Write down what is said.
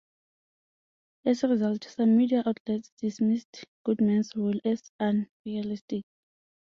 As a result, some media outlets dismissed Goodman's role as unrealistic.